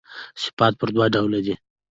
صفات پر دوه ډوله دي.